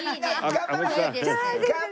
頑張れ！